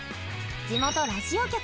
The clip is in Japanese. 地元ラジオ局